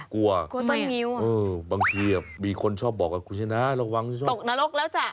กลัวกลัวต้นงิ้วบางทีมีคนชอบบอกว่าคุณชนะระวังใช่ไหมตกนรกแล้วจ้ะ